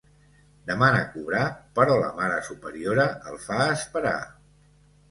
Demana cobrar però la mare superiora el fa esperar.